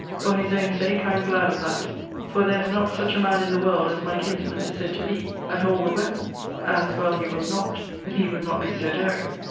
For his own sake, I am glad of that; for there is not such a man in the world as my kinsman is said to be, at all the weapons as well he was not; he would not be so daring.